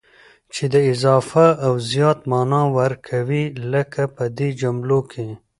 چي د اضافه او زيات مانا ور کوي، لکه په دې جملو کي: